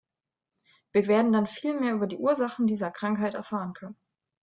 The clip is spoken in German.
Wir werden dann viel mehr über die Ursachen dieser Krankheit erfahren können.